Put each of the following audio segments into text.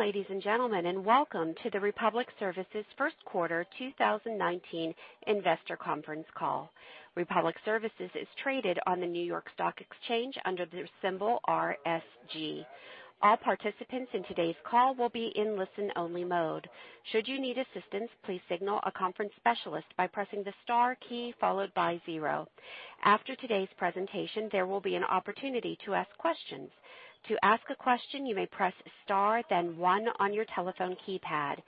Good afternoon, ladies and gentlemen, welcome to the Republic Services first quarter 2019 investor conference call. Republic Services is traded on the New York Stock Exchange under the symbol RSG. All participants in today's call will be in listen-only mode. Should you need assistance, please signal a conference specialist by pressing the star key followed by 0. After today's presentation, there will be an opportunity to ask questions. To ask a question, you may press star then 1 on your telephone keypad.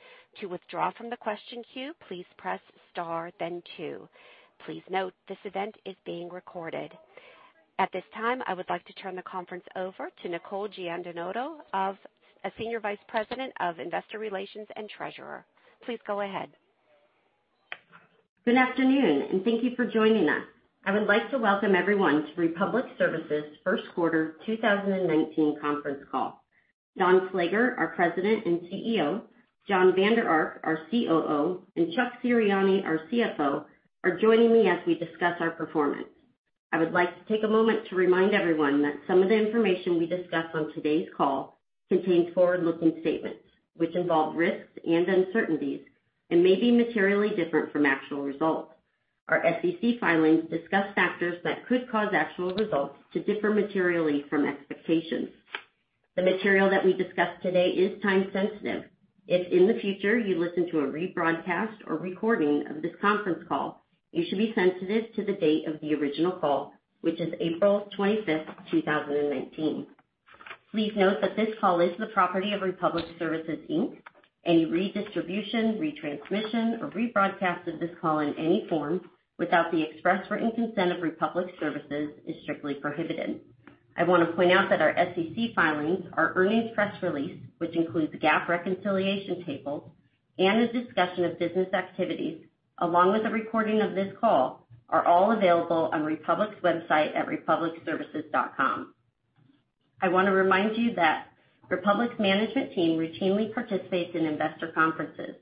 To withdraw from the question queue, please press star then 2. Please note, this event is being recorded. At this time, I would like to turn the conference over to Nicole Giandinoto, a Senior Vice President of Investor Relations and Treasurer. Please go ahead. Good afternoon, thank you for joining us. I would like to welcome everyone to Republic Services' first quarter 2019 conference call. Don Slager, our President and CEO, Jon Vander Ark, our COO, and Chuck Serianni, our CFO, are joining me as we discuss our performance. I would like to take a moment to remind everyone that some of the information we discuss on today's call contains forward-looking statements, which involve risks and uncertainties and may be materially different from actual results. Our SEC filings discuss factors that could cause actual results to differ materially from expectations. The material that we discuss today is time-sensitive. If in the future you listen to a rebroadcast or recording of this conference call, you should be sensitive to the date of the original call, which is April 25th, 2019. Please note that this call is the property of Republic Services, Inc. Any redistribution, retransmission, or rebroadcast of this call in any form without the express written consent of Republic Services is strictly prohibited. I want to point out that our SEC filings, our earnings press release, which includes the GAAP reconciliation table and a discussion of business activities, along with a recording of this call, are all available on Republic's website at republicservices.com. I want to remind you that Republic's management team routinely participates in investor conferences.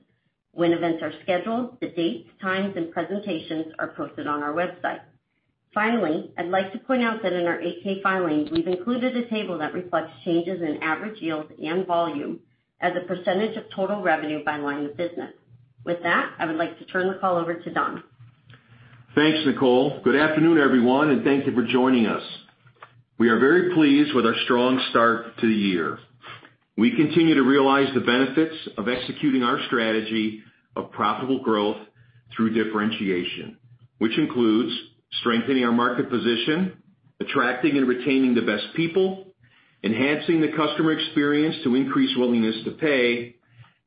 When events are scheduled, the dates, times, and presentations are posted on our website. Finally, I'd like to point out that in our 8-K filings, we've included a table that reflects changes in average yields and volume as a % of total revenue by line of business. With that, I would like to turn the call over to Don. Thanks, Nicole. Good afternoon, everyone, thank you for joining us. We are very pleased with our strong start to the year. We continue to realize the benefits of executing our strategy of profitable growth through differentiation, which includes strengthening our market position, attracting and retaining the best people, enhancing the customer experience to increase willingness to pay,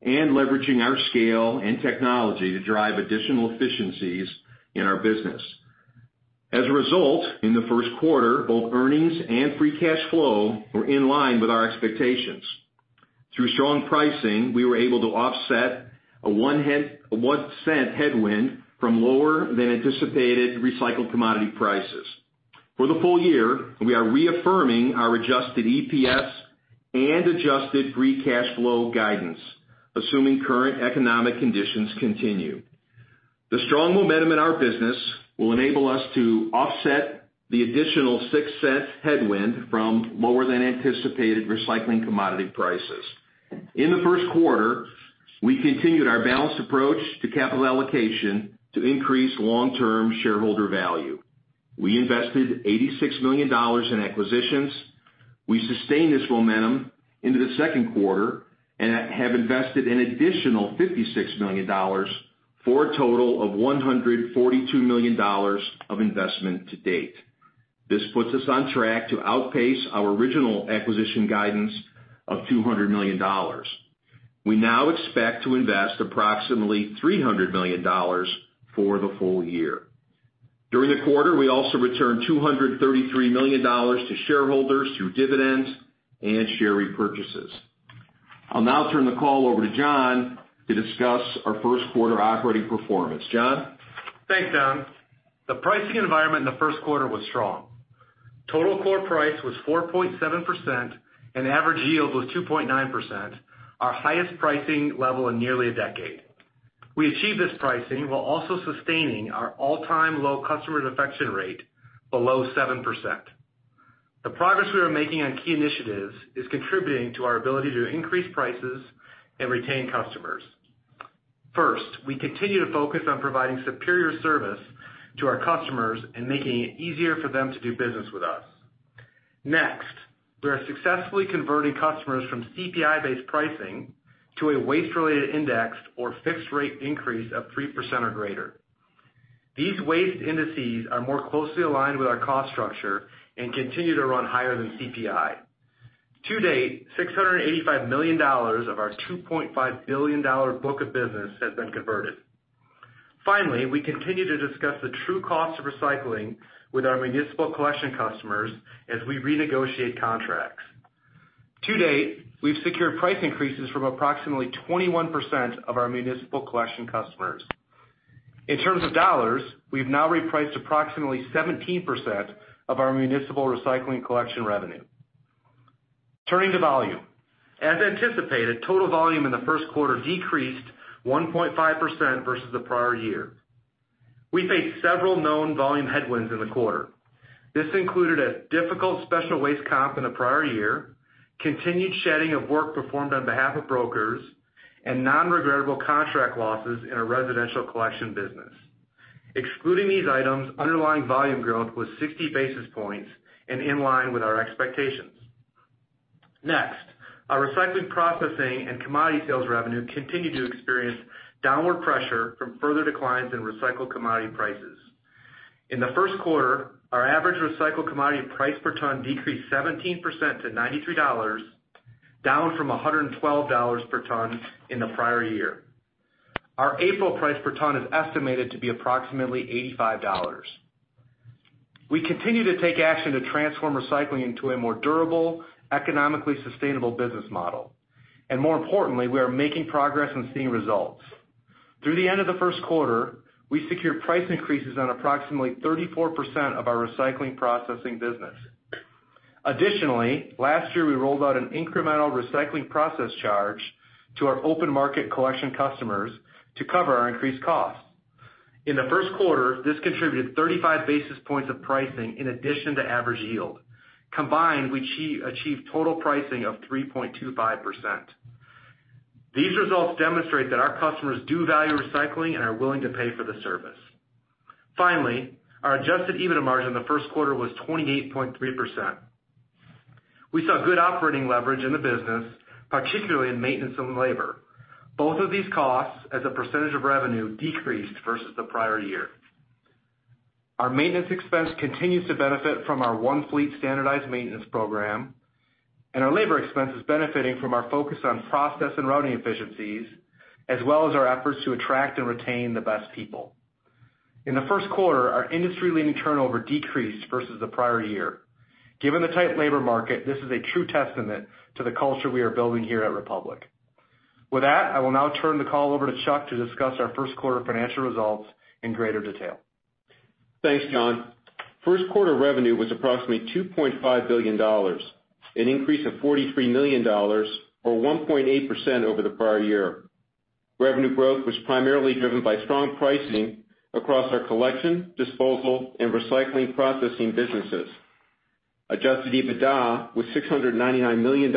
and leveraging our scale and technology to drive additional efficiencies in our business. As a result, in the first quarter, both earnings and free cash flow were in line with our expectations. Through strong pricing, we were able to offset a $0.01 headwind from lower-than-anticipated recycled commodity prices. For the full year, we are reaffirming our adjusted EPS and adjusted free cash flow guidance, assuming current economic conditions continue. The strong momentum in our business will enable us to offset the additional $0.06 headwind from lower-than-anticipated recycling commodity prices. In the first quarter, we continued our balanced approach to capital allocation to increase long-term shareholder value. We invested $86 million in acquisitions. We sustained this momentum into the second quarter and have invested an additional $56 million for a total of $142 million of investment to date. This puts us on track to outpace our original acquisition guidance of $200 million. We now expect to invest approximately $300 million for the full year. During the quarter, we also returned $233 million to shareholders through dividends and share repurchases. I'll now turn the call over to Jon to discuss our first quarter operating performance. Jon? Thanks, Don. The pricing environment in the first quarter was strong. Total core price was 4.7% and average yield was 2.9%, our highest pricing level in nearly a decade. We achieved this pricing while also sustaining our all-time low customer defection rate below 7%. The progress we are making on key initiatives is contributing to our ability to increase prices and retain customers. First, we continue to focus on providing superior service to our customers and making it easier for them to do business with us. Next, we are successfully converting customers from CPI-based pricing to a waste-related indexed or fixed-rate increase of 3% or greater. These waste indices are more closely aligned with our cost structure and continue to run higher than CPI. To date, $685 million of our $2.5 billion book of business has been converted. Finally, we continue to discuss the true cost of recycling with our municipal collection customers as we renegotiate contracts. To date, we've secured price increases from approximately 21% of our municipal collection customers. In terms of dollars, we've now repriced approximately 17% of our municipal recycling collection revenue. Turning to volume, as anticipated, total volume in the first quarter decreased 1.5% versus the prior year. We faced several known volume headwinds in the quarter. This included a difficult special waste comp in the prior year, continued shedding of work performed on behalf of brokers, and non-regrettable contract losses in our residential collection business. Excluding these items, underlying volume growth was 60 basis points and in line with our expectations. Next, our recycling processing and commodity sales revenue continued to experience downward pressure from further declines in recycled commodity prices. In the first quarter, our average recycled commodity price per ton decreased 17% to $93, down from $112 per ton in the prior year. Our April price per ton is estimated to be approximately $85. We continue to take action to transform recycling into a more durable, economically sustainable business model. More importantly, we are making progress and seeing results. Through the end of the first quarter, we secured price increases on approximately 34% of our recycling processing business. Additionally, last year, we rolled out an incremental recycling process charge to our open market collection customers to cover our increased costs. In the first quarter, this contributed 35 basis points of pricing in addition to average yield. Combined, we achieved total pricing of 3.25%. These results demonstrate that our customers do value recycling and are willing to pay for the service. Finally, our adjusted EBITDA margin in the first quarter was 28.3%. We saw good operating leverage in the business, particularly in maintenance and labor. Both of these costs as a percentage of revenue decreased versus the prior year. Our maintenance expense continues to benefit from our One Fleet standardized maintenance program, and our labor expense is benefiting from our focus on process and routing efficiencies, as well as our efforts to attract and retain the best people. In the first quarter, our industry-leading turnover decreased versus the prior year. Given the tight labor market, this is a true testament to the culture we are building here at Republic Services. With that, I will now turn the call over to Chuck to discuss our first quarter financial results in greater detail. Thanks, Jon. First quarter revenue was approximately $2.5 billion, an increase of $43 million or 1.8% over the prior year. Revenue growth was primarily driven by strong pricing across our collection, disposal, and recycling processing businesses. Adjusted EBITDA was $699 million,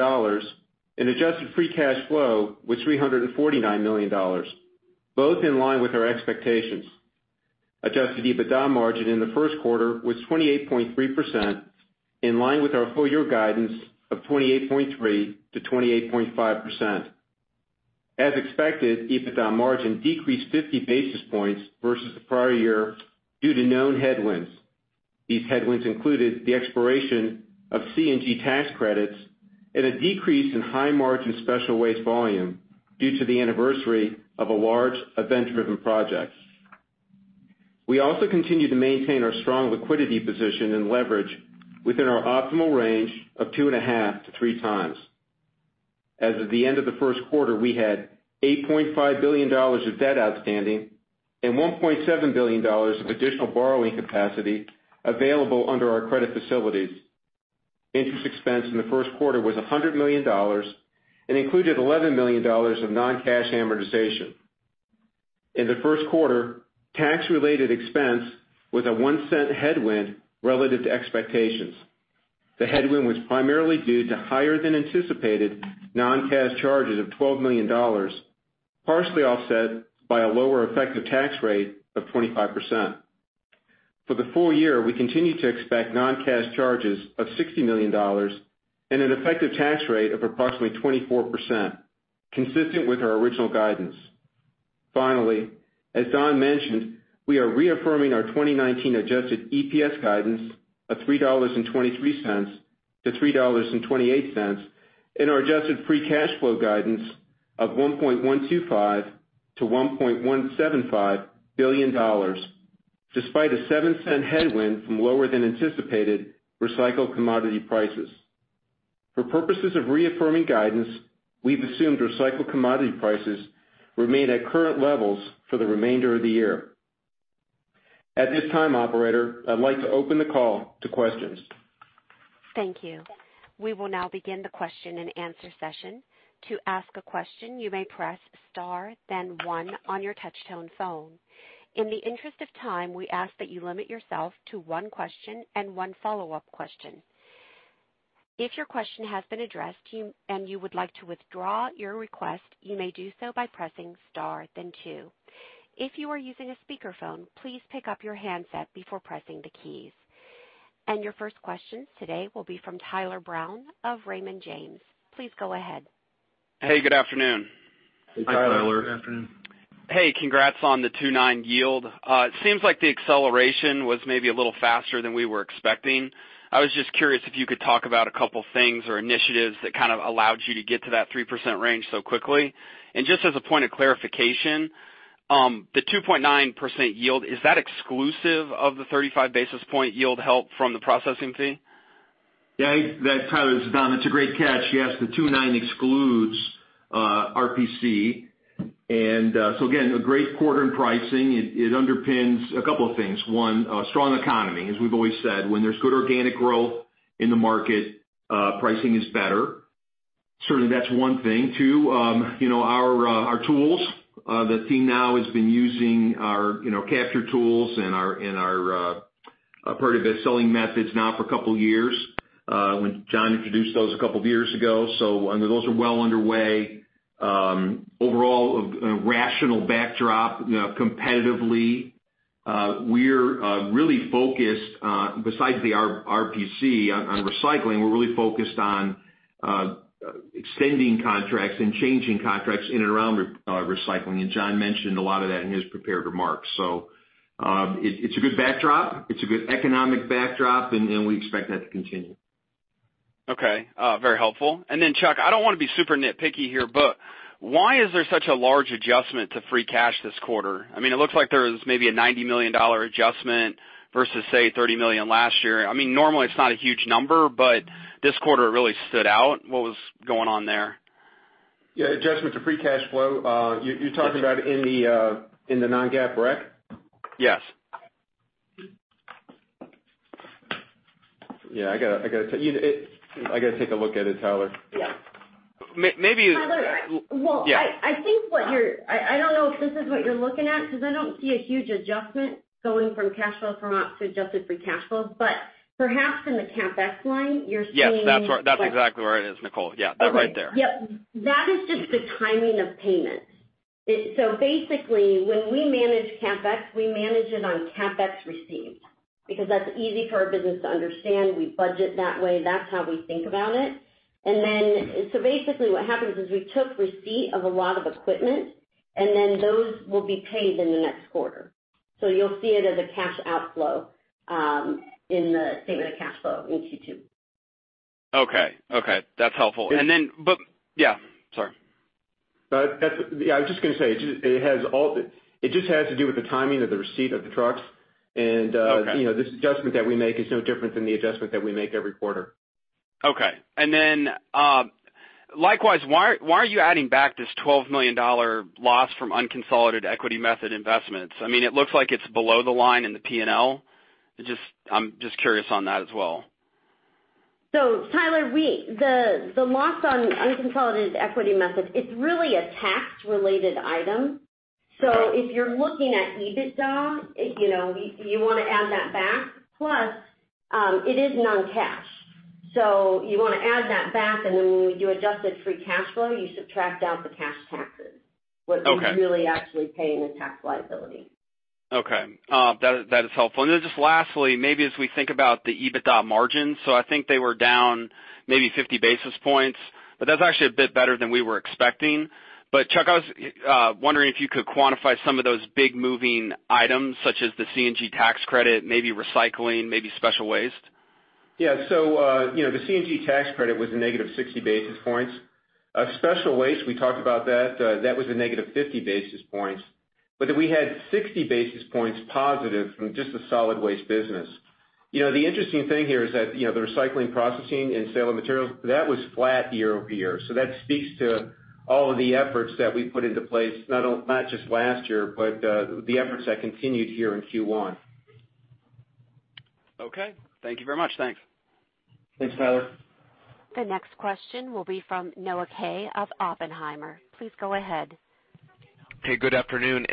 and adjusted free cash flow was $349 million, both in line with our expectations. Adjusted EBITDA margin in the first quarter was 28.3%, in line with our full year guidance of 28.3%-28.5%. As expected, EBITDA margin decreased 50 basis points versus the prior year due to known headwinds. These headwinds included the expiration of CNG tax credits and a decrease in high-margin special waste volume due to the anniversary of a large event-driven project. We also continue to maintain our strong liquidity position and leverage within our optimal range of 2.5x-3x. As of the end of the first quarter, we had $8.5 billion of debt outstanding and $1.7 billion of additional borrowing capacity available under our credit facilities. Interest expense in the first quarter was $100 million and included $11 million of non-cash amortization. In the first quarter, tax-related expense was a $0.01 headwind relative to expectations. The headwind was primarily due to higher than anticipated non-cash charges of $12 million, partially offset by a lower effective tax rate of 25%. For the full year, we continue to expect non-cash charges of $60 million and an effective tax rate of approximately 24%, consistent with our original guidance. Finally, as Don mentioned, we are reaffirming our 2019 adjusted EPS guidance of $3.23-$3.28 and our adjusted free cash flow guidance of $1.125 billion-$1.175 billion, despite a $0.07 headwind from lower than anticipated recycled commodity prices. For purposes of reaffirming guidance, we've assumed recycled commodity prices remain at current levels for the remainder of the year. At this time, operator, I'd like to open the call to questions. Thank you. We will now begin the question and answer session. To ask a question, you may press star then one on your touch-tone phone. In the interest of time, we ask that you limit yourself to one question and one follow-up question. If your question has been addressed and you would like to withdraw your request, you may do so by pressing star then two. If you are using a speakerphone, please pick up your handset before pressing the keys. Your first question today will be from Tyler Brown of Raymond James. Please go ahead. Hey, good afternoon. Hey, Tyler. Good afternoon. Hey, congrats on the 2.9% yield. It seems like the acceleration was maybe a little faster than we were expecting. I was just curious if you could talk about a couple things or initiatives that kind of allowed you to get to that 3% range so quickly. Just as a point of clarification, the 2.9% yield, is that exclusive of the 35 basis point yield help from the processing fee? Yeah, Tyler, this is Don. It's a great catch. Yes, the 2.9 excludes RPC. Again, a great quarter in pricing. It underpins a couple of things. One, a strong economy. As we've always said, when there's good organic growth in the market, pricing is better Certainly, that's one thing too. Our tools, the team now has been using our capture tools and our part of their selling methods now for a couple of years, when Jon introduced those a couple of years ago. Those are well underway. Overall, a rational backdrop competitively. We're really focused, besides the RPC on recycling, we're really focused on extending contracts and changing contracts in and around recycling, and Jon mentioned a lot of that in his prepared remarks. It's a good backdrop. It's a good economic backdrop, and we expect that to continue. Okay. Very helpful. Then, Chuck, I don't want to be super nitpicky here, why is there such a large adjustment to free cash this quarter? It looks like there's maybe a $90 million adjustment versus, say, $30 million last year. Normally, it's not a huge number, this quarter it really stood out. What was going on there? Yeah, adjustment to free cash flow. You're talking about in the non-GAAP, correct? Yes. Yeah, I got to take a look at it, Tyler. Yeah. Maybe- Tyler- Yeah. I don't know if this is what you're looking at, because I don't see a huge adjustment going from cash flow from ops to adjusted free cash flow. Perhaps in the CapEx line, you're seeing. Yes, that's exactly where it is, Nicole. Yeah. Okay. That right there. Yep. That is just the timing of payments. Basically, when we manage CapEx, we manage it on CapEx received, because that's easy for our business to understand. We budget that way. That's how we think about it. Basically what happens is we took receipt of a lot of equipment, then those will be paid in the next quarter. You'll see it as a cash outflow in the statement of cash flow in Q2. Okay. That's helpful. Yeah. Sorry. I was just going to say, it just has to do with the timing of the receipt of the trucks. Okay this adjustment that we make is no different than the adjustment that we make every quarter. Okay. Likewise, why are you adding back this $12 million loss from unconsolidated equity method investments? It looks like it's below the line in the P&L. I'm just curious on that as well. Tyler, the loss on unconsolidated equity method, it's really a tax-related item. If you're looking at EBITDA, you want to add that back. Plus, it is non-cash, so you want to add that back, when we do adjusted free cash flow, you subtract out the cash taxes. Okay. What you're really actually paying is tax liability. That is helpful. Just lastly, maybe as we think about the EBITDA margins, I think they were down maybe 50 basis points, but that is actually a bit better than we were expecting. Chuck, I was wondering if you could quantify some of those big moving items, such as the CNG tax credit, maybe recycling, maybe special waste. The CNG tax credit was a negative 60 basis points. Special waste, we talked about that. That was a negative 50 basis points. We had 60 basis points positive from just the solid waste business. The interesting thing here is that, the recycling processing and sale of materials, that was flat year-over-year. That speaks to all of the efforts that we put into place, not just last year, but the efforts that continued here in Q1. Okay. Thank you very much. Thanks. Thanks, Tyler. The next question will be from Noah Kaye of Oppenheimer. Please go ahead. Hey, good afternoon.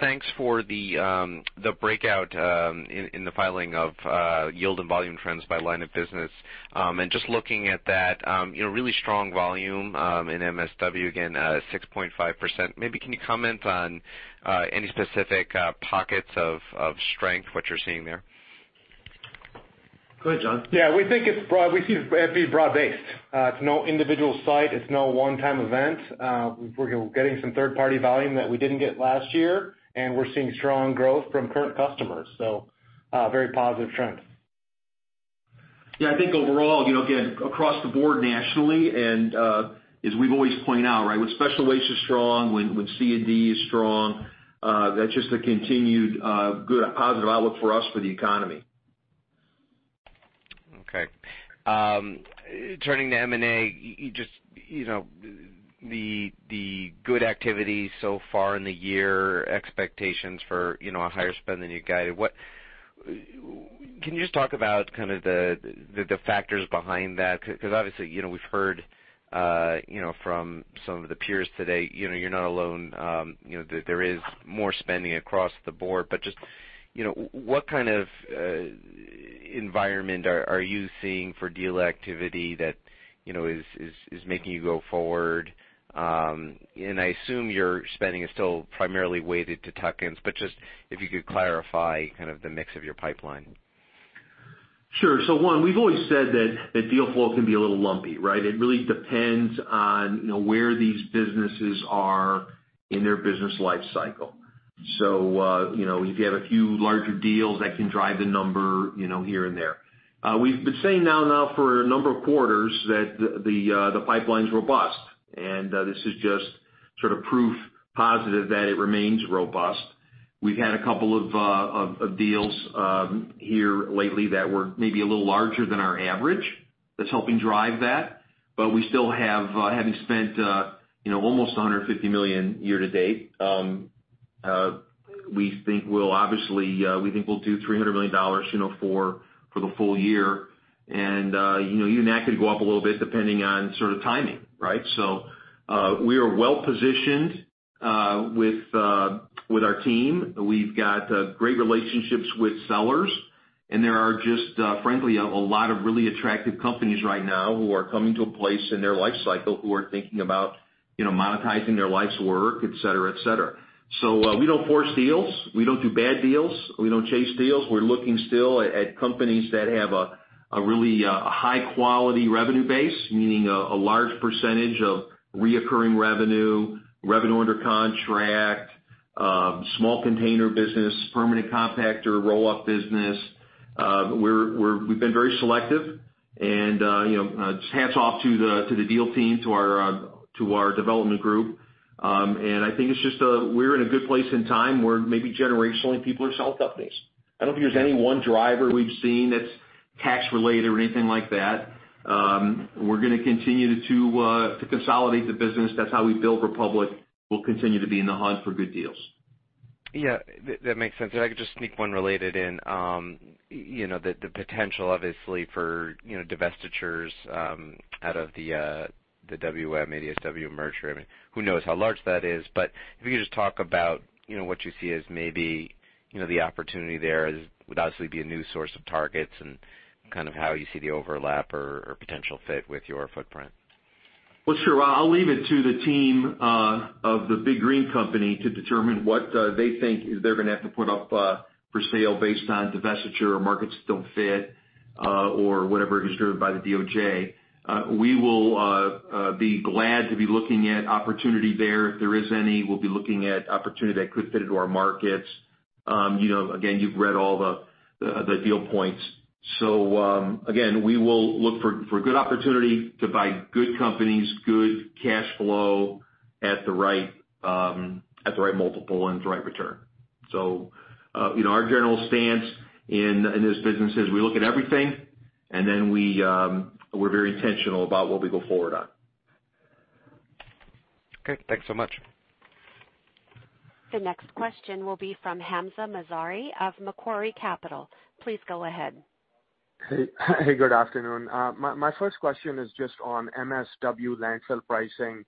Thanks for the breakout in the filing of yield and volume trends by line of business. Just looking at that, really strong volume in MSW again, 6.5%. Maybe can you comment on any specific pockets of strength, what you're seeing there? Go ahead, Jon. Yeah, we think it's broad. We see it as being broad-based. It's no individual site, it's no one-time event. We're getting some third-party volume that we didn't get last year, and we're seeing strong growth from current customers. A very positive trend. Yeah, I think overall, again, across the board nationally, as we've always pointed out, right? When special waste is strong, when C&D is strong, that's just a continued good positive outlook for us for the economy. Okay. Turning to M&A, the good activity so far in the year, expectations for a higher spend than you guided. Can you just talk about kind of the factors behind that? Obviously, we've heard from some of the peers today, you're not alone. There is more spending across the board. Just, what kind of environment are you seeing for deal activity that is making you go forward? I assume your spending is still primarily weighted to tuck-ins, but just if you could clarify kind of the mix of your pipeline. Sure. One, we've always said that deal flow can be a little lumpy, right? It really depends on where these businesses are in their business life cycle. If you have a few larger deals, that can drive the number here and there. We've been saying now for a number of quarters that the pipeline's robust, this is just sort of proof positive that it remains robust. We've had a couple of deals here lately that were maybe a little larger than our average that's helping drive that. We still have, having spent almost $150 million year to date. We think we'll do $300 million for the full year. That could go up a little bit depending on timing, right? We are well-positioned with our team. We've got great relationships with sellers, there are just, frankly, a lot of really attractive companies right now who are coming to a place in their life cycle who are thinking about monetizing their life's work, et cetera. We don't force deals. We don't do bad deals. We don't chase deals. We're looking still at companies that have a really high-quality revenue base, meaning a large percentage of recurring revenue under contract, small container business, permanent compactor, roll-off business. We've been very selective and hats off to the deal team, to our development group. I think we're in a good place and time where maybe generationally, people are selling companies. I don't think there's any one driver we've seen that's tax-related or anything like that. We're going to continue to consolidate the business. That's how we build Republic. We'll continue to be in the hunt for good deals. Yeah, that makes sense. If I could just sneak one related in. The potential, obviously, for divestitures out of the WM, ADSW merger. I mean, who knows how large that is, but if you could just talk about what you see as maybe the opportunity there. It would obviously be a new source of targets and kind of how you see the overlap or potential fit with your footprint. Well, sure. I'll leave it to the team of the Big Green company to determine what they think they're going to have to put up for sale based on divestiture or markets don't fit, or whatever is driven by the DOJ. We will be glad to be looking at opportunity there, if there is any. We'll be looking at opportunity that could fit into our markets. Again, you've read all the deal points. Again, we will look for good opportunity to buy good companies, good cash flow at the right multiple and the right return. Our general stance in this business is we look at everything, and then we're very intentional about what we go forward on. Okay, thanks so much. The next question will be from Hamzah Mazari of Macquarie Capital. Please go ahead. Hey, good afternoon. My first question is just on MSW landfill pricing.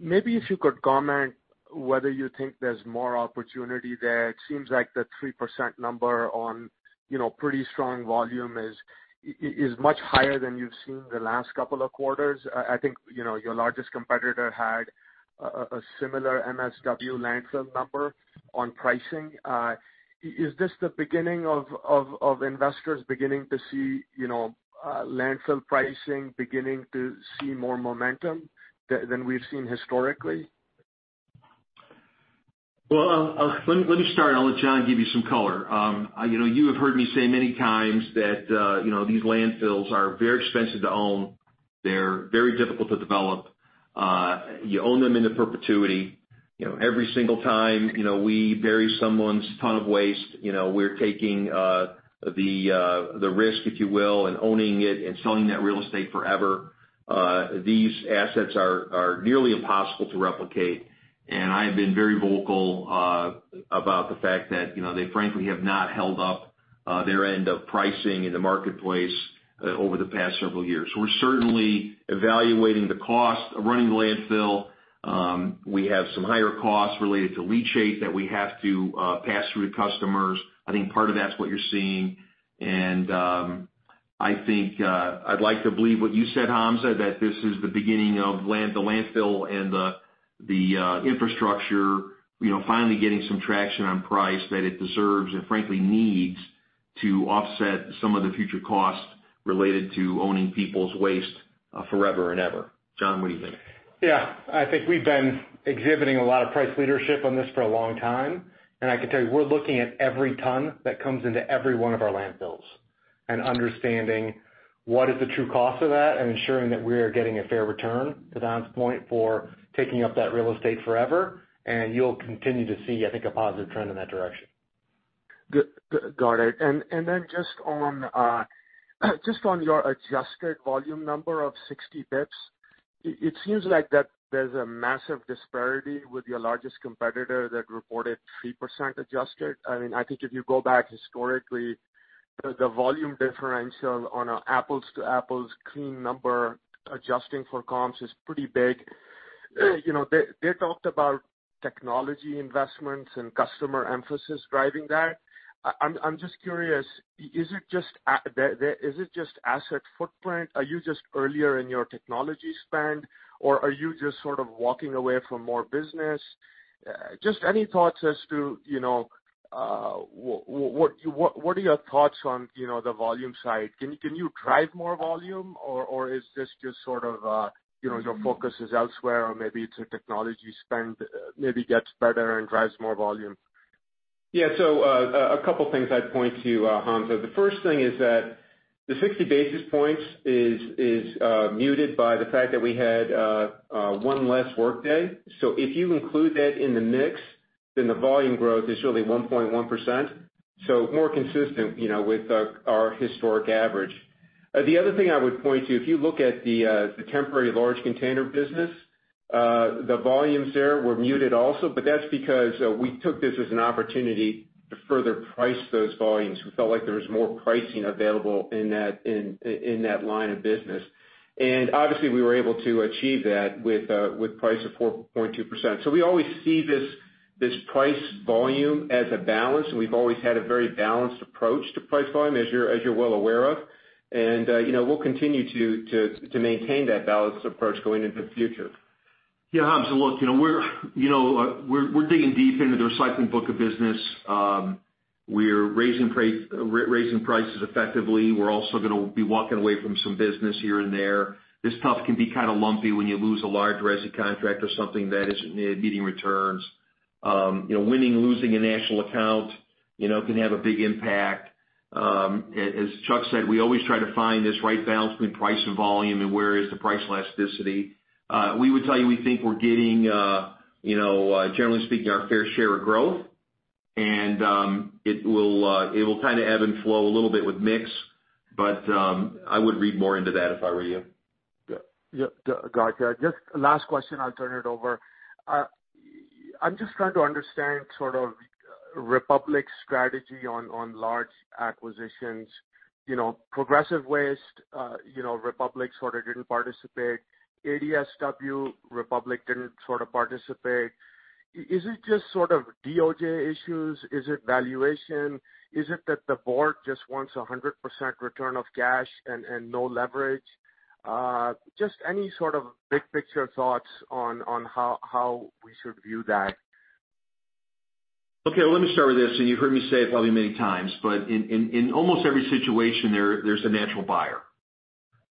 Maybe if you could comment whether you think there's more opportunity there. It seems like the 3% number on pretty strong volume is much higher than you've seen the last couple of quarters. I think your largest competitor had a similar MSW landfill number on pricing. Is this the beginning of investors beginning to see landfill pricing beginning to see more momentum than we've seen historically? Well, let me start, and I'll let Jon give you some color. You have heard me say many times that these landfills are very expensive to own. They're very difficult to develop. You own them into perpetuity. Every single time we bury someone's ton of waste, we're taking the risk, if you will, in owning it and selling that real estate forever. These assets are nearly impossible to replicate, and I have been very vocal about the fact that they frankly have not held up their end of pricing in the marketplace over the past several years. We're certainly evaluating the cost of running the landfill. We have some higher costs related to leachate that we have to pass through to customers. I think part of that's what you're seeing, and I think I'd like to believe what you said, Hamzah, that this is the beginning of the landfill and the infrastructure finally getting some traction on price that it deserves and frankly needs to offset some of the future costs related to owning people's waste forever and ever. Jon, what do you think? I think we've been exhibiting a lot of price leadership on this for a long time, and I can tell you, we're looking at every ton that comes into every one of our landfills and understanding what is the true cost of that and ensuring that we are getting a fair return, to Don's point, for taking up that real estate forever. You'll continue to see, I think, a positive trend in that direction. Got it. Then just on your adjusted volume number of 60 basis points, it seems like that there's a massive disparity with your largest competitor that reported 3% adjusted. I think if you go back historically, the volume differential on an apples-to-apples clean number adjusting for comps is pretty big. They talked about technology investments and customer emphasis driving that. I'm just curious, is it just asset footprint? Are you just earlier in your technology spend, or are you just sort of walking away from more business? Just any thoughts as to what are your thoughts on the volume side? Can you drive more volume, or is this just sort of your focus is elsewhere, or maybe it's a technology spend maybe gets better and drives more volume? A couple things I'd point to, Hamzah. The first thing is that the 60 basis points is muted by the fact that we had one less workday. If you include that in the mix, the volume growth is really 1.1%, more consistent with our historic average. The other thing I would point to, if you look at the temporary large container business, the volumes there were muted also, that's because we took this as an opportunity to further price those volumes. We felt like there was more pricing available in that line of business. Obviously, we were able to achieve that with a price of 4.2%. We always see this price volume as a balance, we've always had a very balanced approach to price volume, as you're well aware of. We'll continue to maintain that balanced approach going into the future. Yeah, Hamzah, look, we're digging deep into the recycling book of business. We're raising prices effectively. We're also going to be walking away from some business here and there. This stuff can be kind of lumpy when you lose a large resi contract or something that isn't meeting returns. Winning, losing a national account can have a big impact. As Chuck said, we always try to find this right balance between price and volume and where is the price elasticity. We would tell you we think we're getting, generally speaking, our fair share of growth. It will kind of ebb and flow a little bit with mix, but I wouldn't read more into that if I were you. Yeah. Gotcha. Last question, I'll turn it over. I'm just trying to understand Republic Services' strategy on large acquisitions. Progressive Waste Solutions, Republic Services sort of didn't participate. ADSW, Republic Services didn't sort of participate. Is it just sort of DOJ issues? Is it valuation? Is it that the board just wants 100% return of cash and no leverage? Any sort of big-picture thoughts on how we should view that. Well, let me start with this, and you've heard me say it probably many times, but in almost every situation, there's a natural buyer,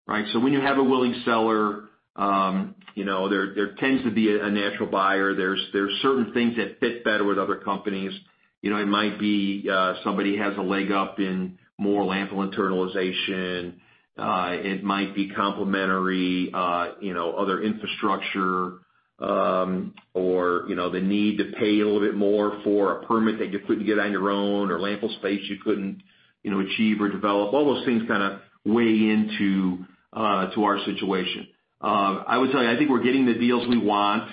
right? When you have a willing seller, there tends to be a natural buyer. There's certain things that fit better with other companies. It might be somebody has a leg up in more landfill internalization. It might be complementary, other infrastructure, or the need to pay a little bit more for a permit that you couldn't get on your own, or landfill space you couldn't achieve or develop. All those things kind of weigh into our situation. I would tell you, I think we're getting the deals we want.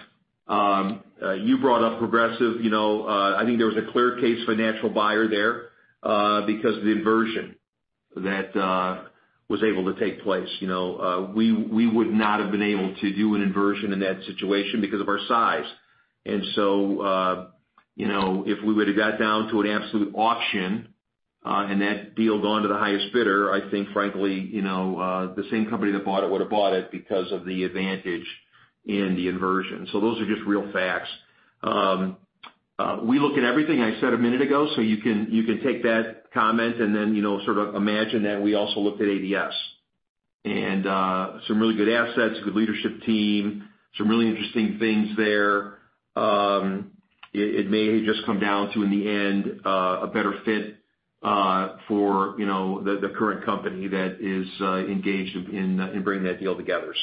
You brought up Progressive Waste Solutions. I think there was a clear case for a natural buyer there because of the inversion that was able to take place. We would not have been able to do an inversion in that situation because of our size. If we would've got down to an absolute auction, and that deal had gone to the highest bidder, I think frankly, the same company that bought it would've bought it because of the advantage in the inversion. Those are just real facts. We look at everything I said a minute ago, you can take that comment and then sort of imagine that we also looked at ADS. Some really good assets, good leadership team, some really interesting things there. It may just come down to, in the end, a better fit for the current company that is engaged in bringing that deal together.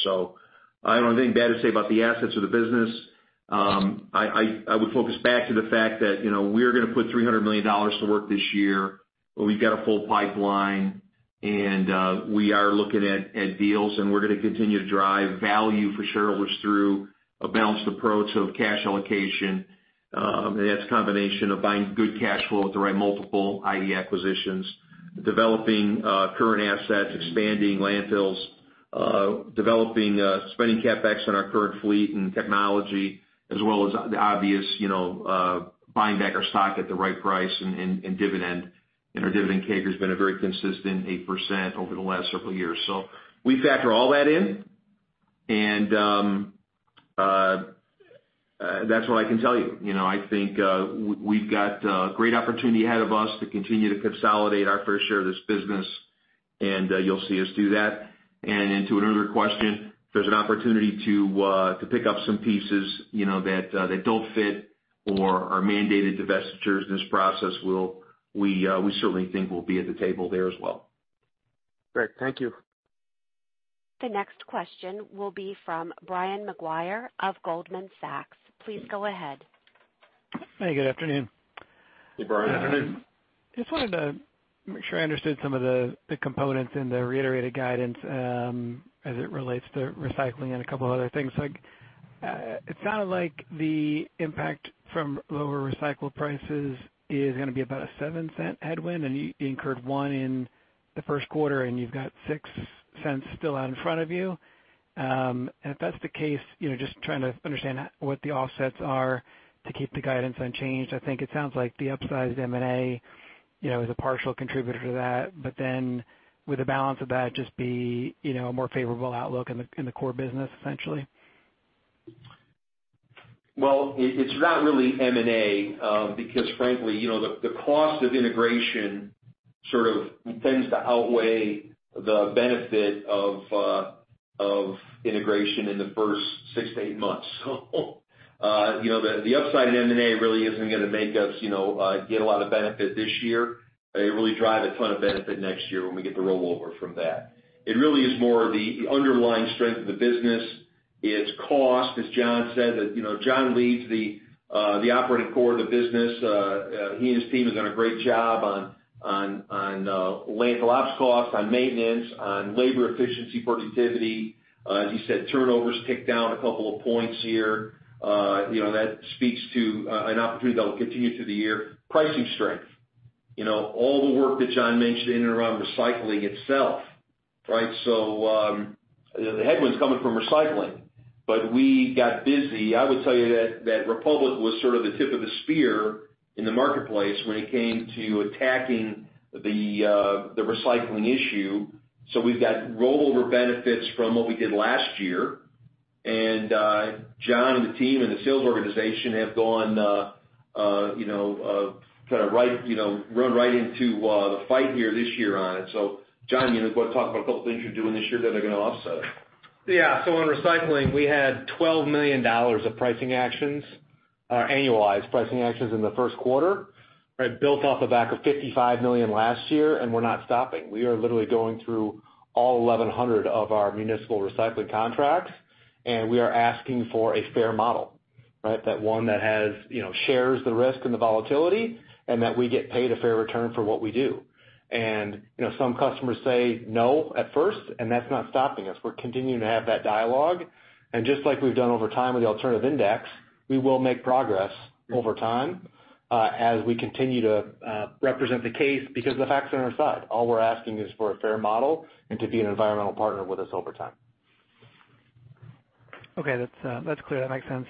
I don't have anything bad to say about the assets or the business. I would focus back to the fact that we're going to put $300 million to work this year. We've got a full pipeline. We are looking at deals. We're going to continue to drive value for shareholders through a balanced approach of cash allocation. That's a combination of buying good cash flow at the right multiple, i.e., acquisitions, developing current assets, expanding landfills, developing spending CapEx on our current fleet and technology, as well as the obvious, buying back our stock at the right price and dividend. Our dividend CAGR has been a very consistent 8% over the last several years. We factor all that in, and that's what I can tell you. I think we've got great opportunity ahead of us to continue to consolidate our fair share of this business, and you'll see us do that. To another question, if there's an opportunity to pick up some pieces that don't fit or are mandated divestitures in this process, we certainly think we'll be at the table there as well. Great. Thank you. The next question will be from Brian Maguire of Goldman Sachs. Please go ahead. Hey, good afternoon. Hey, Brian. Good afternoon. Just wanted to make sure I understood some of the components in the reiterated guidance as it relates to recycling and a couple of other things. It sounded like the impact from lower recycled prices is going to be about a $0.07 headwind, and you incurred $0.01 in the first quarter, and you've got $0.06 still out in front of you. If that's the case, just trying to understand what the offsets are to keep the guidance unchanged. I think it sounds like the upsized M&A is a partial contributor to that. Would the balance of that just be a more favorable outlook in the core business, essentially? Well, it's not really M&A, because frankly, the cost of integration sort of tends to outweigh the benefit of integration in the first six to eight months. The upside in M&A really isn't going to make us get a lot of benefit this year. It'll really drive a ton of benefit next year when we get the rollover from that. It really is more the underlying strength of the business. It's cost, as Jon said. Jon leads the operating core of the business. He and his team have done a great job on laying collapse costs on maintenance, on labor efficiency, productivity. As you said, turnover's ticked down a couple of points here. That speaks to an opportunity that will continue through the year. Pricing strength. All the work that Jon mentioned in and around recycling itself, right? The headwind's coming from recycling. We got busy. I would tell you that Republic was sort of the tip of the spear in the marketplace when it came to attacking the recycling issue. We've got rollover benefits from what we did last year. Jon and the team and the sales organization have gone, kind of run right into the fight here this year on it. Jon, you want to talk about a couple things you're doing this year that are going to offset it? Yeah. On recycling, we had $12 million of pricing actions, or annualized pricing actions in the first quarter, right? Built off the back of $55 million last year. We're not stopping. We are literally going through all 1,100 of our municipal recycling contracts. We are asking for a fair model, right? That one that shares the risk and the volatility, and that we get paid a fair return for what we do. Some customers say no at first. That's not stopping us. We're continuing to have that dialogue. Just like we've done over time with the alternative index, we will make progress over time as we continue to represent the case because the facts are on our side. All we're asking is for a fair model and to be an environmental partner with us over time. Okay, that's clear. That makes sense.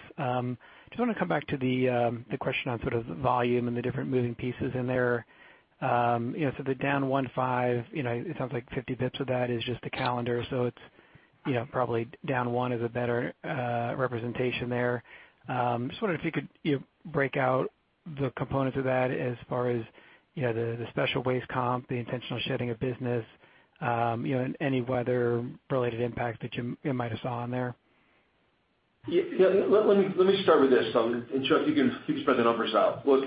Just want to come back to the question on sort of volume and the different moving pieces in there. The down one five, it sounds like 50 basis points of that is just the calendar. It's probably down one is a better representation there. Just wondered if you could break out the components of that as far as the special waste comp, the intentional shedding of business, any weather-related impact that you might have saw in there. Yeah. Let me start with this. Chuck, you can spread the numbers out. Look,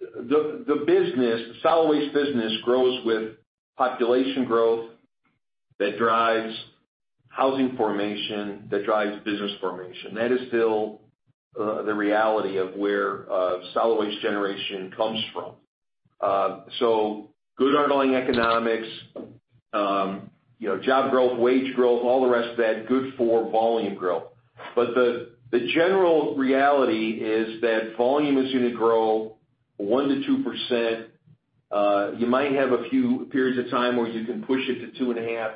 the solid waste business grows with population growth that drives housing formation, that drives business formation. That is still the reality of where solid waste generation comes from. Good underlying economics, job growth, wage growth, all the rest of that, good for volume growth. The general reality is that volume is going to grow 1%-2%. You might have a few periods of time where you can push it to two and a half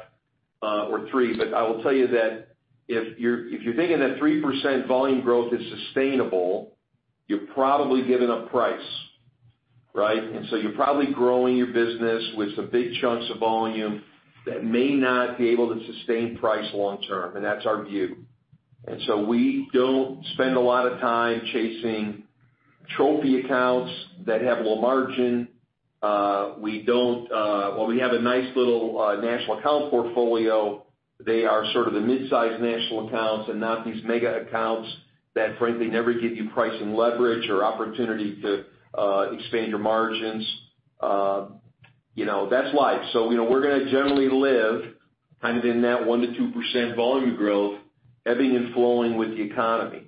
or three. I will tell you that if you're thinking that 3% volume growth is sustainable, you're probably giving up price, right? You're probably growing your business with some big chunks of volume that may not be able to sustain price long term. That's our view. We don't spend a lot of time chasing trophy accounts that have low margin. While we have a nice little national account portfolio, they are sort of the mid-size national accounts and not these mega accounts that frankly never give you pricing leverage or opportunity to expand your margins. That's life. We're going to generally live kind of in that 1%-2% volume growth, ebbing and flowing with the economy.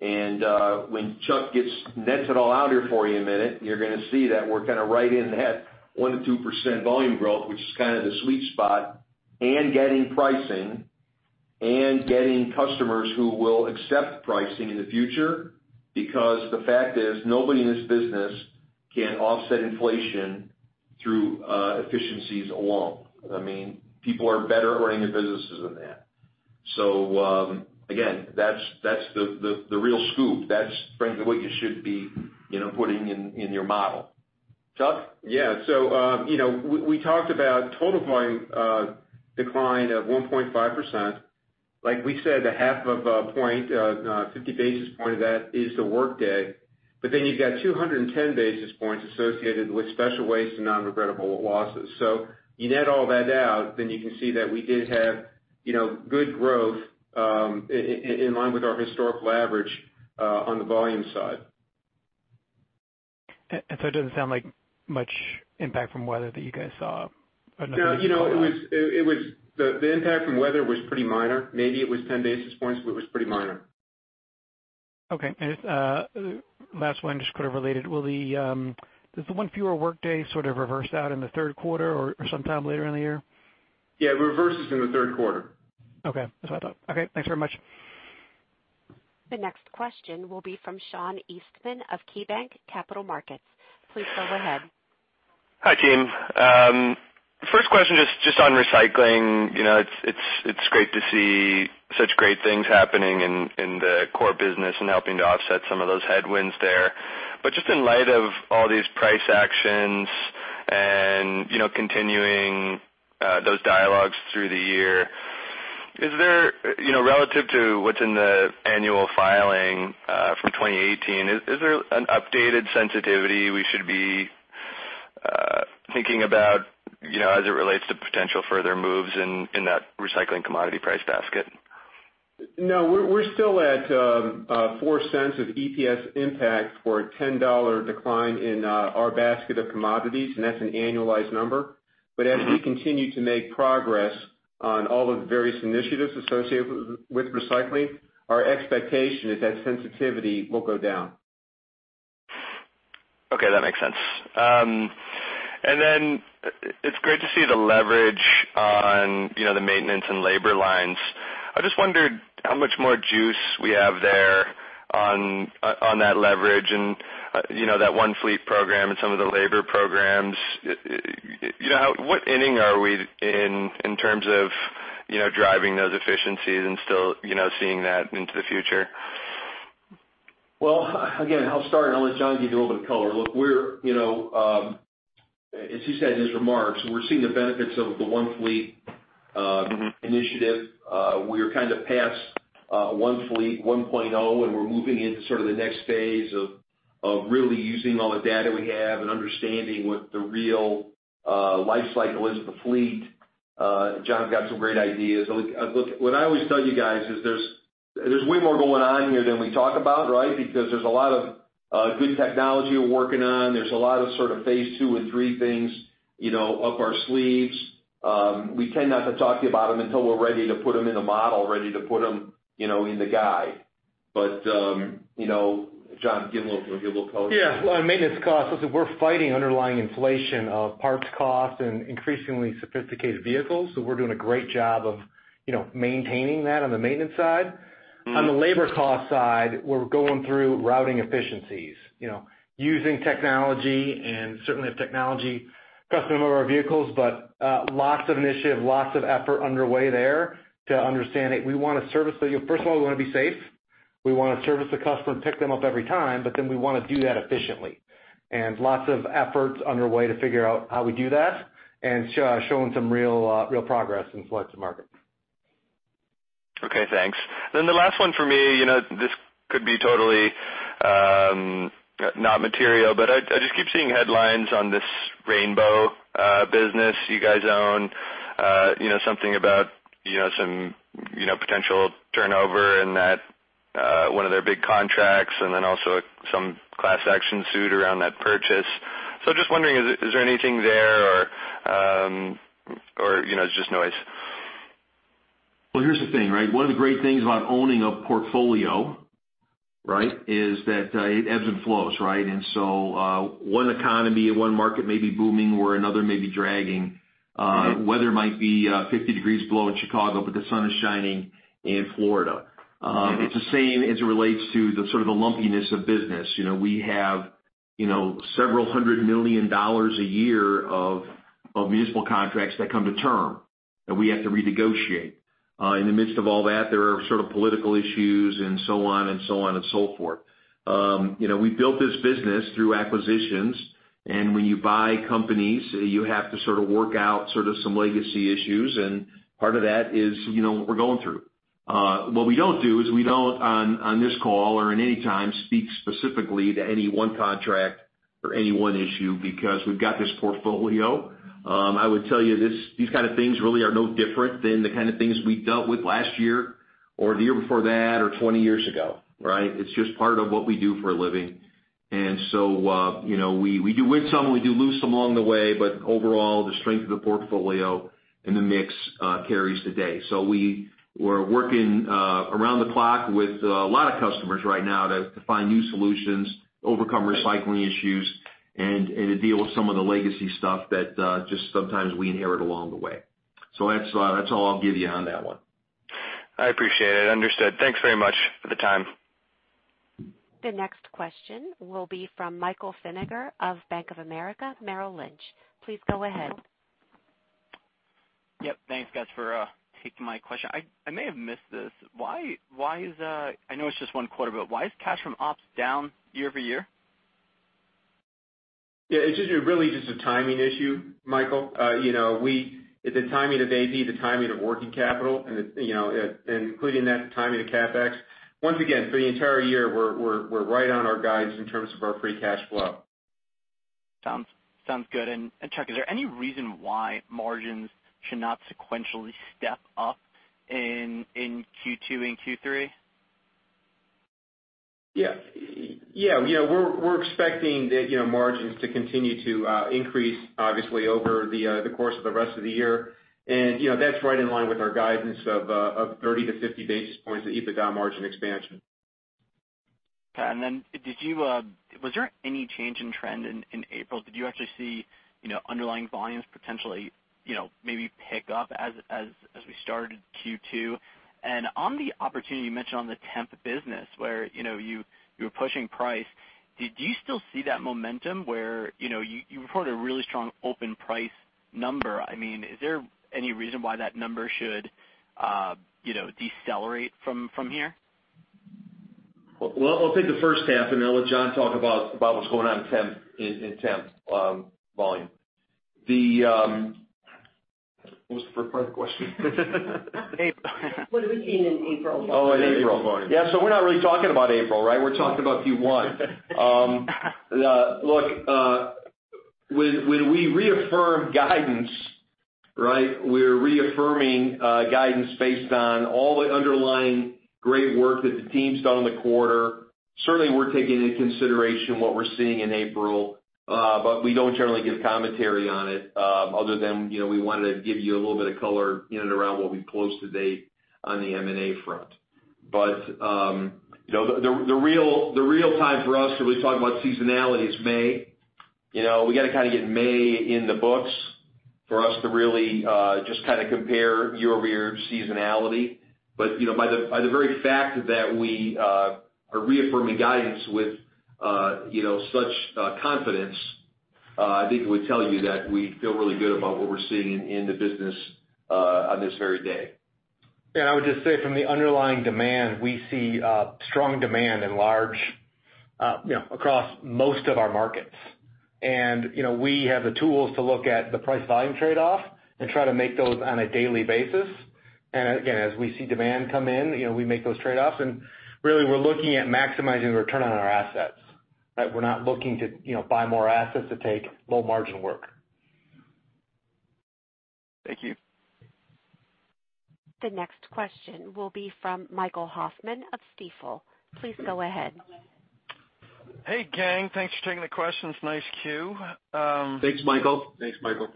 When Chuck nets it all out here for you in a minute, you're going to see that we're kind of right in that 1%-2% volume growth, which is kind of the sweet spot, and getting pricing, and getting customers who will accept pricing in the future. The fact is, nobody in this business can offset inflation through efficiencies alone. I mean, people are better at running their businesses than that. Again, that's the real scoop. That's frankly what you should be putting in your model. Chuck? Yeah. We talked about total volume decline of 1.5%. Like we said, a half of a point, 50 basis point of that is the workday. You've got 210 basis points associated with special waste and non-repeatable losses. You net all that out. You can see that we did have good growth in line with our historical average on the volume side. It doesn't sound like much impact from weather that you guys saw or nothing to call out. No, the impact from weather was pretty minor. Maybe it was 10 basis points, but it was pretty minor. Okay. Just last one, just kind of related. Does the one fewer workday sort of reverse out in the third quarter or sometime later in the year? Yeah, it reverses in the third quarter. Okay, that's what I thought. Okay, thanks very much. The next question will be from Sean Eastman of KeyBanc Capital Markets. Please go ahead. Hi, team. First question, just on recycling. It's great to see such great things happening in the core business and helping to offset some of those headwinds there. Just in light of all these price actions and continuing those dialogues through the year, relative to what's in the annual filing for 2018, is there an updated sensitivity we should be thinking about as it relates to potential further moves in that recycling commodity price basket? No, we're still at $0.04 of EPS impact for a $10 decline in our basket of commodities, and that's an annualized number. As we continue to make progress on all the various initiatives associated with recycling, our expectation is that sensitivity will go down. Okay, that makes sense. It's great to see the leverage on the maintenance and labor lines. I just wondered how much more juice we have there on that leverage and that One Fleet program and some of the labor programs. What inning are we in terms of driving those efficiencies and still seeing that into the future? I'll start, and I'll let John give you a little bit of color. Look, as he said in his remarks, we're seeing the benefits of the One Fleet initiative. We are kind of past One Fleet 1.0, and we're moving into sort of the next phase of really using all the data we have and understanding what the real life cycle is of the fleet. John's got some great ideas. Look, what I always tell you guys is there's way more going on here than we talk about, right? Because there's a lot of good technology we're working on. There's a lot of sort of phase 2 and 3 things up our sleeves. We tend not to talk to you about them until we're ready to put them in a model, ready to put them in the guide. John, give a little color. On maintenance costs, listen, we're fighting underlying inflation of parts cost and increasingly sophisticated vehicles, so we're doing a great job of maintaining that on the maintenance side. On the labor cost side, we're going through routing efficiencies, using technology, and certainly have technology elements of our vehicles, but lots of initiative, lots of effort underway there to understand it. First of all, we want to be safe. We want to service the customer and pick them up every time, but then we want to do that efficiently. Lots of efforts underway to figure out how we do that and showing some real progress in select markets. Okay, thanks. The last one for me, this could be totally not material, but I just keep seeing headlines on this Rainbow business you guys own. Something about some potential turnover and that one of their big contracts, also some class action suit around that purchase. Just wondering, is there anything there or it's just noise? Well, here's the thing, right? One of the great things about owning a portfolio is that it ebbs and flows, right? One economy and one market may be booming where another may be dragging. Weather might be 50 degrees below in Chicago, but the sun is shining in Florida. It's the same as it relates to the sort of the lumpiness of business. We have several hundred million dollars a year of municipal contracts that come to term, that we have to renegotiate. In the midst of all that, there are sort of political issues and so on and so forth. We built this business through acquisitions, and when you buy companies, you have to sort of work out sort of some legacy issues, and part of that is what we're going through. What we don't do is we don't, on this call or in any time, speak specifically to any one contract or any one issue, because we've got this portfolio. I would tell you these kind of things really are no different than the kind of things we dealt with last year or the year before that or 20 years ago, right? It's just part of what we do for a living. We do win some, and we do lose some along the way, but overall, the strength of the portfolio and the mix carries the day. We're working around the clock with a lot of customers right now to find new solutions, overcome recycling issues, and to deal with some of the legacy stuff that just sometimes we inherit along the way. That's all I'll give you on that one. I appreciate it. Understood. Thanks very much for the time. The next question will be from Michael Feniger of Bank of America Merrill Lynch. Please go ahead. Yep. Thanks, guys, for taking my question. I may have missed this. I know it's just one quarter, but why is cash from ops down year-over-year? Yeah, it's really just a timing issue, Michael. It's the timing of AP, the timing of working capital, and including that, the timing of CapEx. Once again, for the entire year, we're right on our guidance in terms of our free cash flow. Sounds good. Chuck, is there any reason why margins should not sequentially step up in Q2 and Q3? Yeah. We're expecting the margins to continue to increase, obviously, over the course of the rest of the year. That's right in line with our guidance of 30 to 50 basis points of EBITDA margin expansion. Okay. Then, was there any change in trend in April? Did you actually see underlying volumes potentially maybe pick up as we started Q2? On the opportunity you mentioned on the temp business, where you were pushing price, do you still see that momentum where you reported a really strong open price number? Is there any reason why that number should decelerate from here? Well, I'll take the first half, and then I'll let Jon talk about what's going on in temp volume. What was the first part of the question? April. What have we seen in April? Oh, in April. Yeah, we're not really talking about April, right? We're talking about Q1. Look, when we reaffirmed guidance- Right. We're reaffirming guidance based on all the underlying great work that the team's done in the quarter. Certainly, we're taking into consideration what we're seeing in April, but we don't generally give commentary on it other than we wanted to give you a little bit of color in and around what we've closed to date on the M&A front. The real time for us to really talk about seasonality is May. We got to kind of get May in the books for us to really just compare year-over-year seasonality. By the very fact that we are reaffirming guidance with such confidence, I think it would tell you that we feel really good about what we're seeing in the business on this very day. I would just say from the underlying demand, we see strong demand in large, across most of our markets. We have the tools to look at the price-volume trade-off and try to make those on a daily basis. As we see demand come in, we make those trade-offs, and really, we're looking at maximizing return on our assets. We're not looking to buy more assets to take low-margin work. Thank you. The next question will be from Michael Hoffman of Stifel. Please go ahead. Hey, gang. Thanks for taking the questions. Nice queue. Thanks, Michael. Thanks, Michael.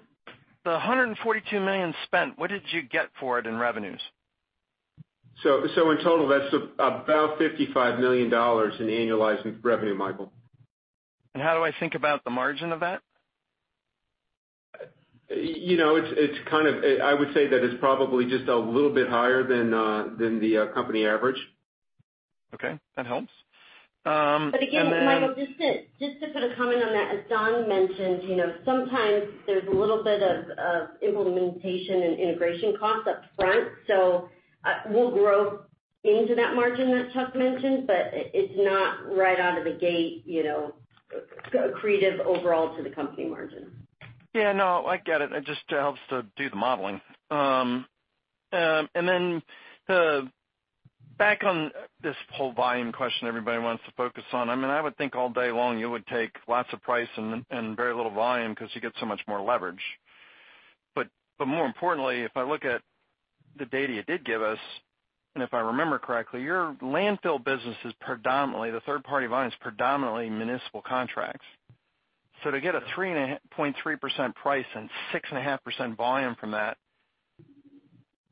The $142 million spent, what did you get for it in revenues? In total, that's about $55 million in annualized revenue, Michael. How do I think about the margin of that? I would say that it's probably just a little bit higher than the company average. Okay. That helps. Again, Michael, just to put a comment on that, as Don mentioned, sometimes there's a little bit of implementation and integration costs up front. We'll grow into that margin that Chuck mentioned, it's not right out of the gate accretive overall to the company margin. Yeah, no, I get it. It just helps to do the modeling. Then back on this whole volume question everybody wants to focus on, I would think all day long you would take lots of price and very little volume because you get so much more leverage. More importantly, if I look at the data you did give us, and if I remember correctly, your landfill business is predominantly, the third-party volume is predominantly municipal contracts. To get a 3.3% price and 6.5% volume from that,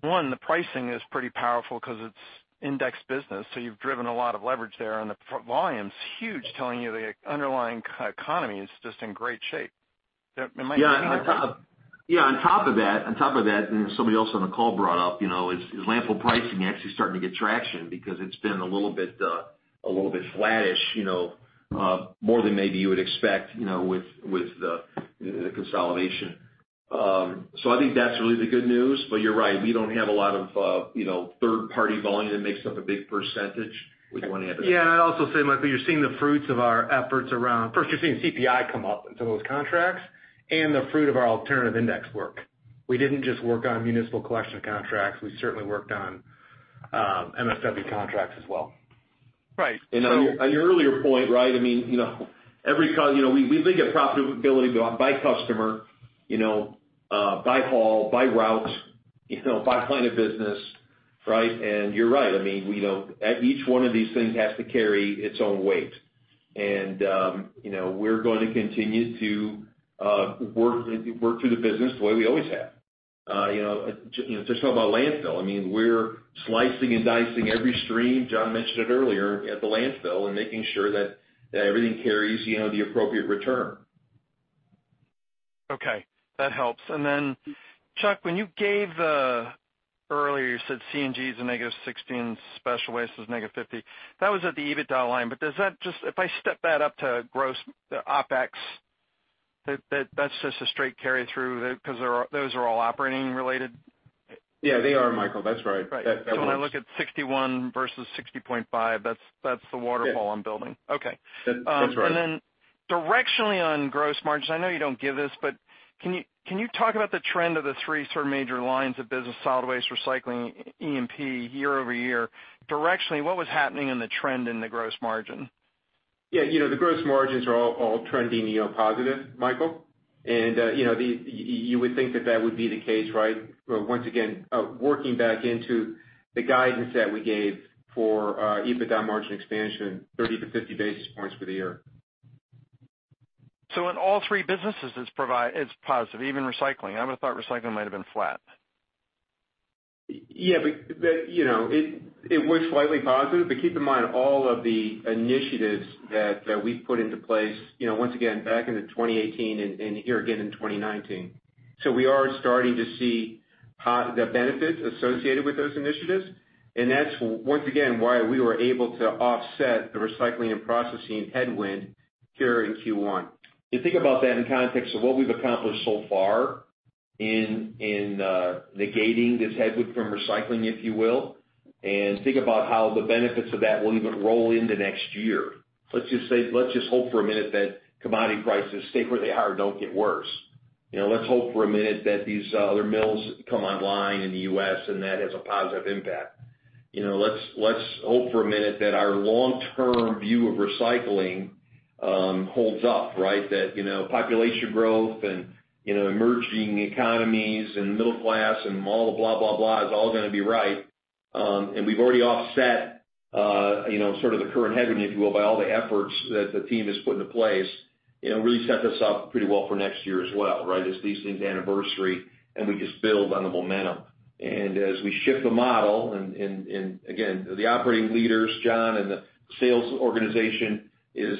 one, the pricing is pretty powerful because it's index business, you've driven a lot of leverage there, and the volume's huge, telling you the underlying economy is just in great shape. Am I? Yeah. On top of that, somebody else on the call brought up, is landfill pricing actually starting to get traction because it's been a little bit flattish, more than maybe you would expect with the consolidation. I think that's really the good news. You're right, we don't have a lot of third-party volume that makes up a big percentage. What do you want to add to that? Yeah, I'd also say, Michael, you're seeing the fruits of our efforts around First, you're seeing CPI come up into those contracts and the fruit of our alternative index work. We didn't just work on municipal collection contracts. We certainly worked on MSW contracts as well. Right. On your earlier point, we look at profitability by customer, by haul, by route, by line of business, right? You're right. Each one of these things has to carry its own weight. We're going to continue to work through the business the way we always have. To talk about landfill, we're slicing and dicing every stream, Jon mentioned it earlier, at the landfill and making sure that everything carries the appropriate return. Okay. That helps. Chuck, when you gave the earlier, you said CNG is a negative 16, special waste is negative 50. That was at the EBITDA line. If I step that up to gross OpEx, that's just a straight carry-through because those are all operating related? Yeah, they are, Michael. That's right. Right. That works. When I look at 61 versus 60.5, that's the waterfall I'm building. Yeah. Okay. That's right. directionally on gross margins, I know you don't give this, but can you talk about the trend of the three sort of major lines of business, solid waste, recycling, E&P year-over-year, directionally, what was happening in the trend in the gross margin? Yeah. The gross margins are all trending positive, Michael. You would think that that would be the case, right? Once again, working back into the guidance that we gave for EBITDA margin expansion, 30-50 basis points for the year. In all three businesses, it's positive, even recycling. I would've thought recycling might've been flat. Yeah. It was slightly positive, keep in mind all of the initiatives that we've put into place, once again, back into 2018 and here again in 2019. We are starting to see the benefits associated with those initiatives, and that's, once again, why we were able to offset the recycling and processing headwind here in Q1. If you think about that in context of what we've accomplished so far in negating this headwind from recycling, if you will, think about how the benefits of that will even roll into next year. Let's just hope for a minute that commodity prices stay where they are and don't get worse. Let's hope for a minute that these other mills come online in the U.S. and that has a positive impact. Let's hope for a minute that our long-term view of recycling holds up, right? That population growth and emerging economies and middle class and all the blah, blah is all going to be right. We've already offset sort of the current headwind, if you will, by all the efforts that the team has put into place, really set this up pretty well for next year as well, right? As these things anniversary, we just build on the momentum. As we shift the model and, again, the operating leaders, Jon, and the sales organization is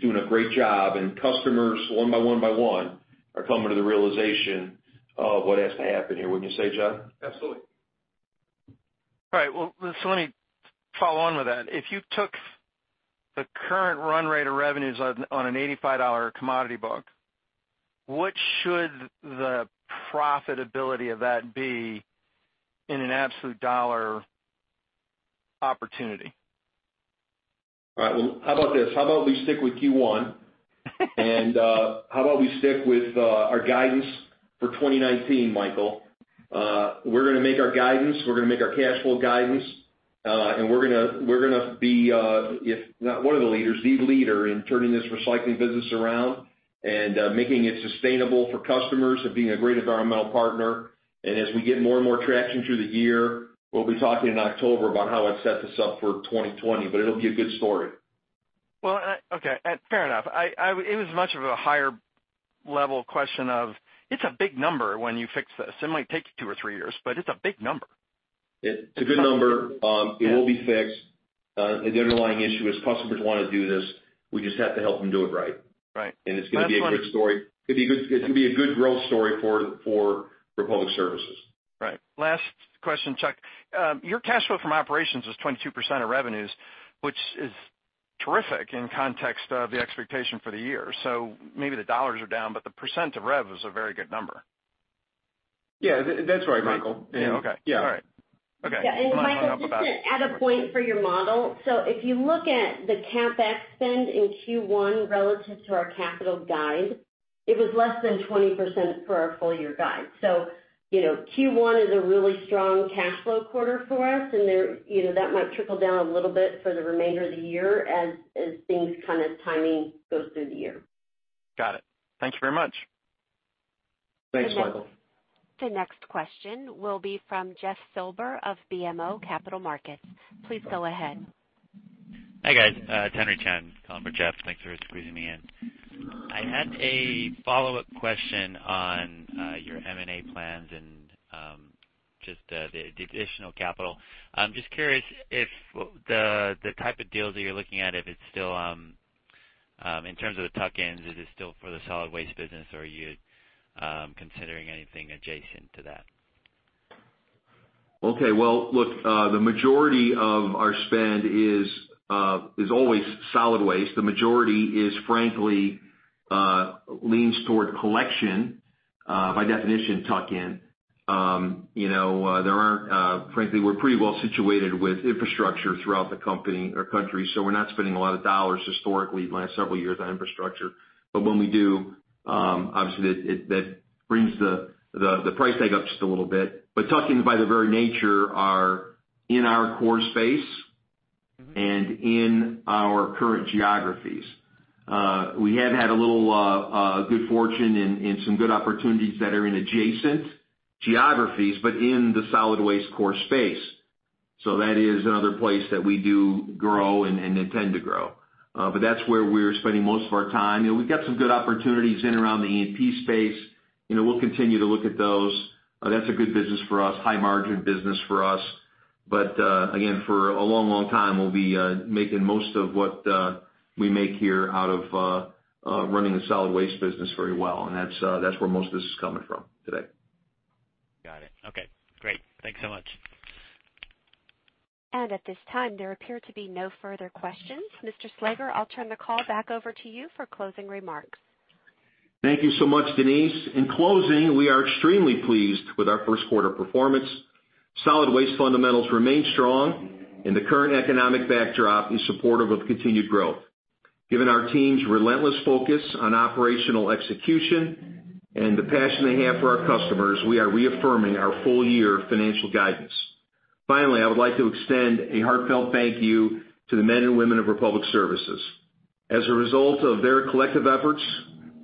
doing a great job, and customers, one by one by one, are coming to the realization of what has to happen here. Wouldn't you say, Jon? Absolutely. All right. Well, let me follow on with that. If you took the current run rate of revenues on an $85 commodity book, what should the profitability of that be in an absolute dollar opportunity? All right. Well, how about this? How about we stick with our guidance for 2019, Michael? We're going to make our guidance, we're going to make our cash flow guidance, and we're going to be, if not one of the leaders, the leader in turning this recycling business around and making it sustainable for customers and being a great environmental partner. As we get more and more traction through the year, we'll be talking in October about how it sets us up for 2020. It'll be a good story. Well, okay. Fair enough. It was much of a higher-level question of, it's a big number when you fix this. It might take you two or three years, but it's a big number. It's a good number. Yeah. It will be fixed. The underlying issue is customers want to do this. We just have to help them do it right. Right. It's going to be a good story. It's going to be a good growth story for Republic Services. Right. Last question, Chuck. Your cash flow from operations was 22% of revenues, which is terrific in context of the expectation for the year. Maybe the dollars are down, but the percent of rev is a very good number. Yeah, that's right, Michael. Okay. Yeah. All right. Okay. Yeah. Michael, just to add a point for your model. If you look at the CapEx spend in Q1 relative to our capital guide, it was less than 20% for our full-year guide. Q1 is a really strong cash flow quarter for us, and that might trickle down a little bit for the remainder of the year as things kind of timing goes through the year. Got it. Thank you very much. Thanks, Michael. The next- The next question will be from Jeffrey Silber of BMO Capital Markets. Please go ahead. Hi, guys. It's Henry Chan calling for Jeff. Thanks for squeezing me in. I had a follow-up question on your M&A plans and just the additional capital. I'm just curious if the type of deals that you're looking at, if it's still, in terms of the tuck-ins, is it still for the solid waste business, or are you considering anything adjacent to that? Okay. Look, the majority of our spend is always solid waste. The majority is, frankly, leans toward collection. By definition, tuck-in. Frankly, we're pretty well situated with infrastructure throughout the company or country, so we're not spending a lot of dollars historically the last several years on infrastructure. When we do, obviously, that brings the price tag up just a little bit. Tuck-ins, by their very nature, are in our core space and in our current geographies. We have had a little good fortune and some good opportunities that are in adjacent geographies, but in the solid waste core space. That is another place that we do grow and intend to grow. That's where we're spending most of our time. We've got some good opportunities in around the E&P space. We'll continue to look at those. That's a good business for us, high-margin business for us. Again, for a long time, we'll be making most of what we make here out of running the solid waste business very well, and that's where most of this is coming from today. Got it. Okay, great. Thanks so much. At this time, there appear to be no further questions. Mr. Slager, I'll turn the call back over to you for closing remarks. Thank you so much, Denise. In closing, we are extremely pleased with our first quarter performance. Solid waste fundamentals remain strong, and the current economic backdrop is supportive of continued growth. Given our team's relentless focus on operational execution and the passion they have for our customers, we are reaffirming our full-year financial guidance. Finally, I would like to extend a heartfelt thank you to the men and women of Republic Services. As a result of their collective efforts,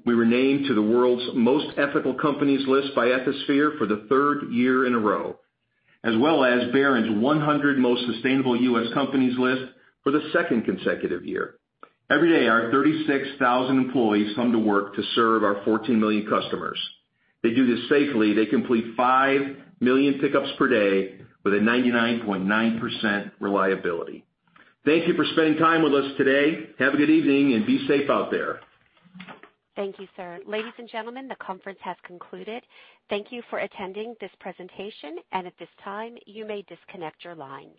we were named to the World's Most Ethical Companies list by Ethisphere for the third year in a row, as well as Barron's 100 most sustainable US companies list for the second consecutive year. Every day, our 36,000 employees come to work to serve our 14 million customers. They do this safely. They complete 5 million pickups per day with a 99.9% reliability. Thank you for spending time with us today. Have a good evening, be safe out there. Thank you, sir. Ladies and gentlemen, the conference has concluded. Thank you for attending this presentation, at this time, you may disconnect your lines.